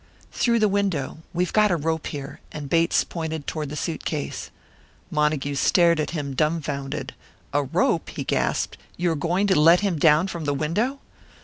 "Through the window. We've got a rope here." And Bates pointed toward the suitcase. Montague stared at him, dumfounded. "A rope!" he gasped. "You are going to let him down from the window?"